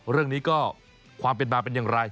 เรื่องนี้ก็ความเป็นมาเป็นอย่างไร